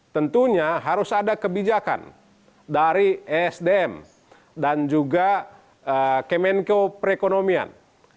tentunya harus ada kebijakan dari esdm dan juga kemenko perekonomian